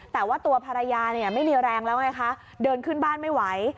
แต่ว่าตัวภรรยาเนี่ยไม่มีแรงแล้วไงคะเดินขึ้นบ้านไม่ไหว